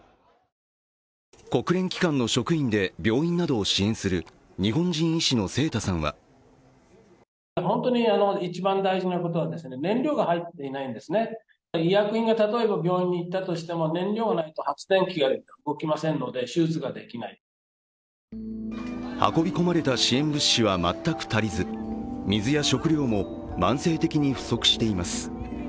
国連機関の職員で、病院などを支援する日本人医師の清田さんは運び込まれた支援物資は全く足りず水や食料も慢性的に不足しています。